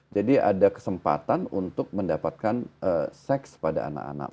jadi ada kesempatan untuk mendapatkan seks pada anak anak